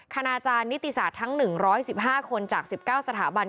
ณาจารย์นิติศาสตร์ทั้ง๑๑๕คนจาก๑๙สถาบัน